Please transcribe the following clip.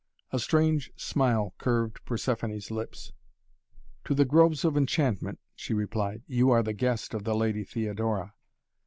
A strange smile curved Persephoné's lips. "To the Groves of Enchantment," she replied. "You are the guest of the Lady Theodora."